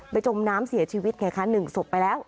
ไปจมน้ำเสียชีวิตแค่คันหนึ่งศพไปแล้ว